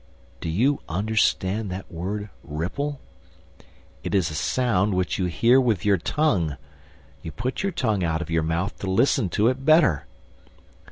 ... Do you understand that word "ripple?" ... IT IS A SOUND WHICH YOU HEAR WITH YOUR TONGUE! ... You put your tongue out of your mouth to listen to it better!